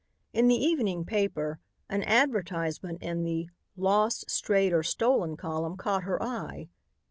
In the evening paper an advertisement in the "Lost, Strayed or Stolen" column caught her eye.